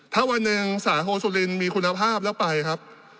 ถ้าวันหนึ่งสาโฮสุรินมีคุณภาพแล้วไปครับ